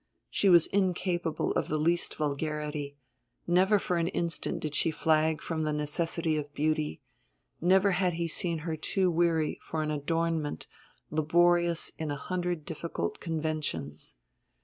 She was incapable of the least vulgarity; never for an instant did she flag from the necessity of beauty, never had he seen her too weary for an adornment laborious in a hundred difficult conventions.